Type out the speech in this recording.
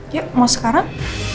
yuk mau sekarang